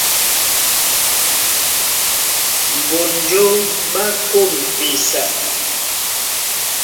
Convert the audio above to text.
Mbonjó ɓá kôm esa,